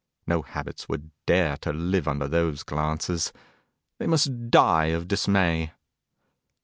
No habits would dare to live under those glances. They must die of dismay.